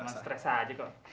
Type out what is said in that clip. jangan stres saja kok